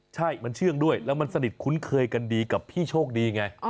ใช่มันเชื่องด้วยแล้วมันสนิทคุ้นเคยกันดีกับพี่โชคดีไง